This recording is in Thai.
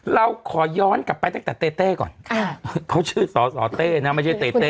เราขอย้อนกลับไปตั้งแต่เต้เต้ก่อนเขาชื่อสสเต้นะไม่ใช่เต้เต้